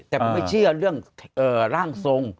แต่ผมไม่เชื่อเรื่องร่างทรง